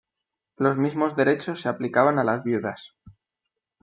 Los mismos derechos se aplicaban a las viudas.